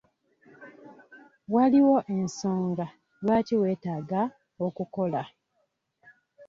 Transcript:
Waliwo ensonga lwaki weetaaga okukola.